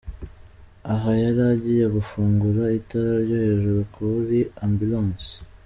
Aha yari agiye gufunga itara ryo hejuru kuri Ambulance.